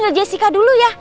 pilih foto jessica dulu ya